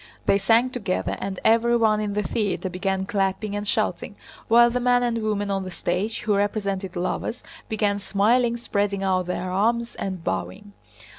They sang together and everyone in the theater began clapping and shouting, while the man and woman on the stage—who represented lovers—began smiling, spreading out their arms, and bowing.